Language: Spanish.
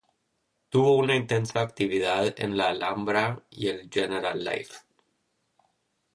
Tuvo una intensa actividad en la Alhambra y el Generalife.